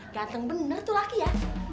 ganteng benar tuh laki ya